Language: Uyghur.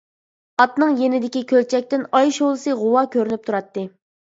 ئاتنىڭ يېنىدىكى كۆلچەكتىن ئاي شولىسى غۇۋا كۆرۈنۈپ تۇراتتى.